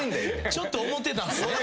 ちょっと思ってたんすね。